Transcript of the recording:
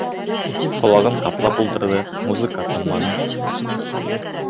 Ҡолағын ҡаплап ултырҙы, музыка тынманы.